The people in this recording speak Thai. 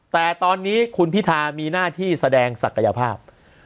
แต่ตอนนี้คุณพิธามีหน้าที่แสดงศักยภาพ